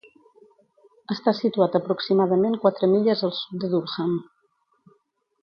Està situat aproximadament quatre milles al sud de Durham.